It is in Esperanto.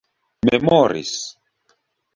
memoris